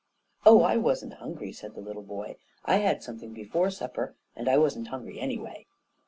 "Oh, I wasn't hungry," said the little boy. "I had something before supper, and I wasn't hungry anyway."